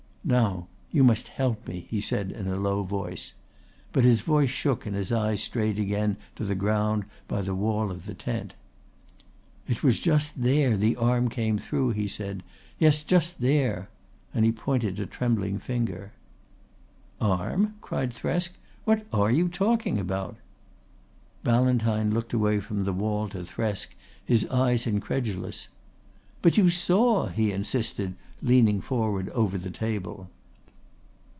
"Now you must help me," he said in a low voice. But his voice shook and his eyes strayed again to the ground by the wall of the tent. "It was just there the arm came through," he said. "Yes, just there," and he pointed a trembling finger. "Arm?" cried Thresk. "What are you talking about?" Ballantyne looked away from the wall to Thresk, his eyes incredulous. "But you saw!" he insisted, leaning forward over the table.